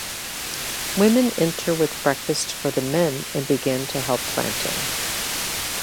Women enter with breakfast for the men and begin to help planting.